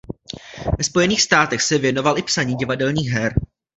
Ve Spojených státech se věnoval i psaní divadelních her.